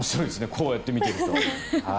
こうやって見てみると。